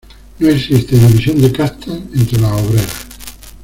No existe división de castas entre las obreras.